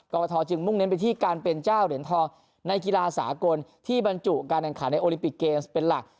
กรทจึงมุ่งเน้นไปที่การเป็นเจ้าเหรียญทองในกีฬาสากลที่บรรจุการแข่งขันในโอลิปิกเกมส์เป็นหลัก